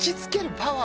パワー！